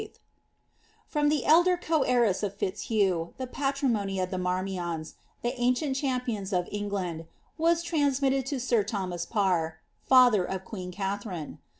* From the elder coheiress of Fitzhugh, the patrimony of the Marmionst the ancient champions of England, was transmitted to sir Thomas PaiTf father of queen Katharine.